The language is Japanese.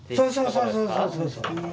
そうそうそうそう。